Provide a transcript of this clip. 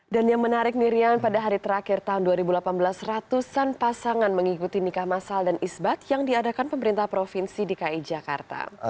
dan yang menarik mirian pada hari terakhir tahun dua ribu delapan belas ratusan pasangan mengikuti nikah masal dan isbat yang diadakan pemerintah provinsi di ki jakarta